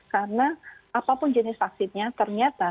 karena apapun jenis vaksinnya ternyata